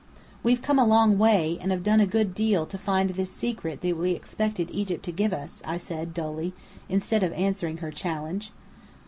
"We've come a long way, and have done a good deal to find this secret that we expected Egypt to give us," I said, dully, instead of answering her challenge.